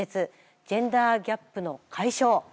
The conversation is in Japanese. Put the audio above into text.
ジェンダーギャップの解消。